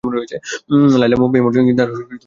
লায়লা মুম্বইয়ে মডেলিং দিয়ে তার কর্মজীবন শুরু করেন।